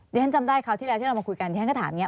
ที่ท่านจำได้คราวที่เรามาคุยกันที่ท่านก็ถามอย่างนี้